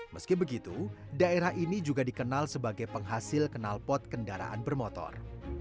meski begitu daerah ini juga dikenal sebagai penghasil kenalpot kendaraan bermotor